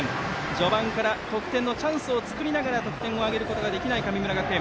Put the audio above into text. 序盤から得点のチャンスを作りながら得点を挙げることができない神村学園。